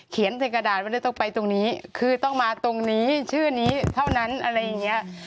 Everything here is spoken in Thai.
ใส่กระดาษว่าเลยต้องไปตรงนี้คือต้องมาตรงนี้ชื่อนี้เท่านั้นอะไรอย่างเงี้ย